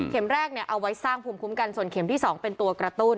แรกเอาไว้สร้างภูมิคุ้มกันส่วนเข็มที่๒เป็นตัวกระตุ้น